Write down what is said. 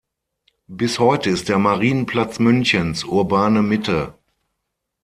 Bis heute ist der Marienplatz Münchens urbane Mitte.